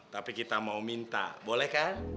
tapi kita mau minta boleh kan